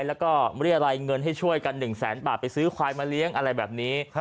แล้วก็เรียกอะไรเงินให้ช่วยกัน๑แสนบาทไปซื้อควายมาเลี้ยงอะไรแบบนี้